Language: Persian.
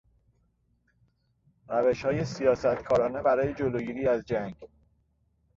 روشهای سیاستکارانه برای جلوگیری از جنگ